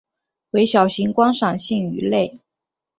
为小型观赏性鱼类。